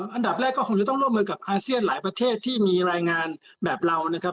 อันดับแรกก็คงจะต้องร่วมมือกับอาเซียนหลายประเทศที่มีรายงานแบบเรานะครับ